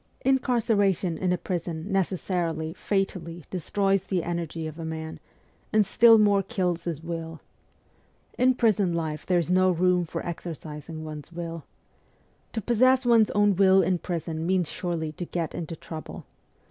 Incarceration in a prison necessarily, fatally, destroys the energy of a man, and still more kills his will. In prison life there is no room for exercising one's will. To possess one's own will in prison means surely to get into trouble.